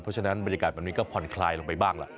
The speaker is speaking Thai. เพราะฉะนั้นบรรยากาศแบบนี้ก็ผ่อนคลายลงไปบ้างล่ะ